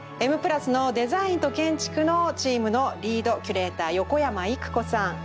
「Ｍ＋」のデザインと建築のチームのリードキュレーター横山いくこさん。